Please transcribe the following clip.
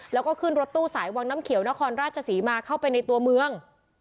แล้วก็ขึ้นรถตู้สายวังน้ำเขียวนครราชศรีมาเข้าไปในตัวเมือง